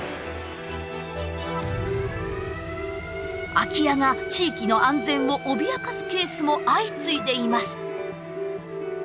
空き家が地域の安全を脅かすケースも相次いでいます。